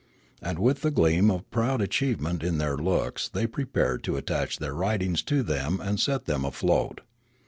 And with the gleam of proud achievement in their looks they prepared to attach their writings to them and set them afloat.